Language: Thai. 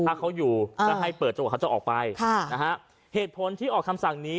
ถ้าเขาอยู่ก็ให้เปิดจังหวัดเขาจะออกไปค่ะนะฮะเหตุผลที่ออกคำสั่งนี้